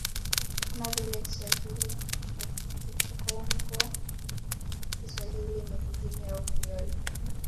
kama vile Kiswahili ni Kikongo Kiswahili ni Pijini au Krioli